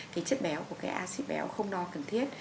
cái chất béo của cái acid béo không đo cần thiết